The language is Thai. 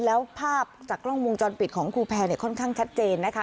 แล้วภาพจากกล้องวงจรปิดของครูแพรค่อนข้างชัดเจนนะคะ